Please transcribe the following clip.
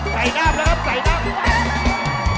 ใส่ด้านนะครับใส่ด้าน